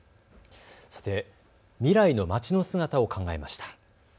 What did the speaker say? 未来の街の姿を考えました。